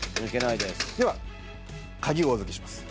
では鍵をお預けします。